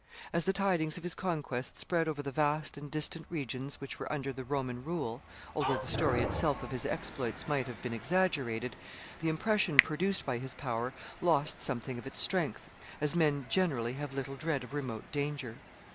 As the tidings of his conquests spread over the vast and distant regions which were under the Roman rule although the story itself of his exploits might have been exaggerated the impression produced by his power lost something of its strength, as men generally have little dread of remote danger.